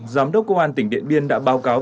giám đốc công an tỉnh điện biên đã báo cáo